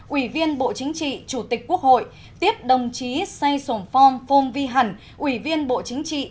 ủy viên bộ chính trị chủ tịch quốc hội tiếp đồng chí say sổng phong phong vi hẳn ủy viên bộ chính trị